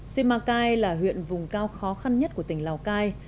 simacai là huyện vùng cao khó khăn nhất của tỉnh lào cai